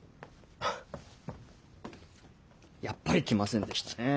やっぱり来ませんでしたね。